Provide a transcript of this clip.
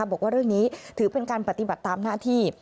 บอกว่าเรื่องนี้ถือเป็นการปฏิบัติตามหน้าที่